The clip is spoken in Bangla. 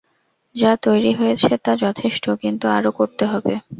যা তৈরি হয়েছে তা যথেষ্ট, কিন্তু আরো করতে হবে।